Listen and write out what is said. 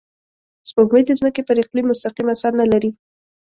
سپوږمۍ د ځمکې پر اقلیم مستقیم اثر نه لري